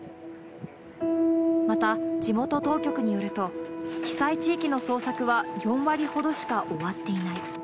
また、地元当局によると、被災地域の捜索は４割ほどしか終わっていない。